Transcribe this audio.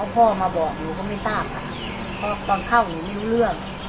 พ่อมาบอกหนูก็ไม่ทราบค่ะเพราะตอนเข้าหนูไม่รู้เรื่อง